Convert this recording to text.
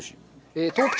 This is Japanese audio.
えっ！